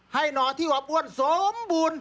หน่อที่อบอ้วนสมบูรณ์